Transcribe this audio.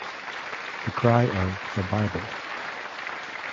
The cry of 'The Bible!